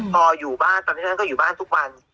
พออยู่บ้านตอนนี้ท่านก็อยู่บ้านทุกวัน